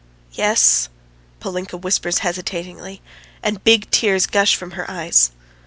"Yes ..." Polinka whispers hesitatingly, and big tears gush from her eyes.